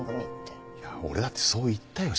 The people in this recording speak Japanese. いや俺だってそう言ったよ社長に。